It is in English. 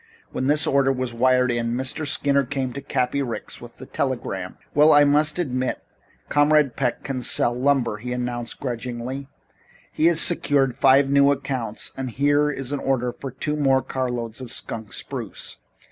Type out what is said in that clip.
When this order was wired in, Mr. Skinner came to Cappy Ricks with the telegram. "Well, I must admit Comrade Peck can sell lumber," he announced grudgingly. "He has secured five new accounts and here is an order for two more carloads of skunk spruce.